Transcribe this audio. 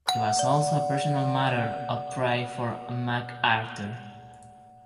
It was also a personal matter of pride for MacArthur.